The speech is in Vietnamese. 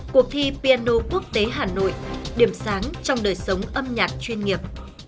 cuộc thi piano quốc tế hà nội điểm sáng trong đời sống âm nhạc chuyên nghiệp